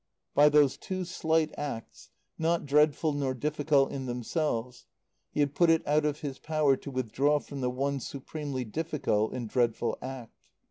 By those two slight acts, not dreadful nor difficult in themselves, he had put it out of his power to withdraw from the one supremely difficult and dreadful act.